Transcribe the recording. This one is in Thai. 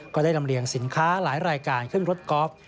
ก็ได้รำเลี่ยงสินค้าหลายรายการเครื่องรถก๊อฟ